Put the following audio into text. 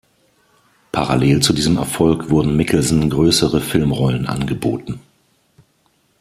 Parallel zu diesem Erfolg wurden Mikkelsen größere Filmrollen angeboten.